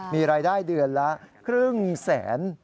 มีรายได้เดือนละครึ่งแสน